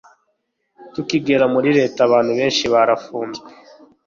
tukigera muri leta abantu benshi barafunzwe